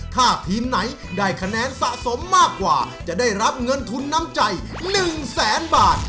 ถ้าทีมไหนได้คะแนนสะสมมากกว่าจะได้รับเงินทุนน้ำใจ๑แสนบาท